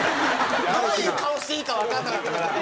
どういう顔していいかわからなかったから。